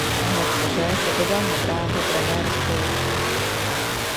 Hned poté se vydal na dráhu trenérskou.